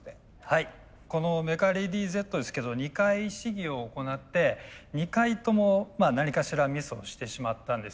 はいこのメカレディーＺですけど２回試技を行って２回とも何かしらミスをしてしまったんですよね。